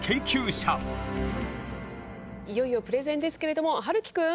いよいよプレゼンですけれどもはるきくん